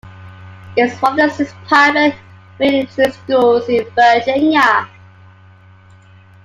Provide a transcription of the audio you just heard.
It is one of six private military schools in Virginia.